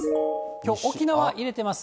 きょう、沖縄入れてます。